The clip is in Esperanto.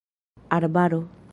arbaro